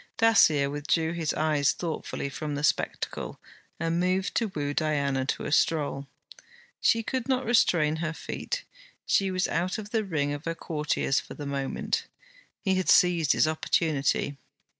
Dacier withdrew his eyes thoughtfully from the spectacle, and moved to woo Diana to a stroll. She could not restrain her feet; she was out of the ring of her courtiers for the moment. He had seized his opportunity.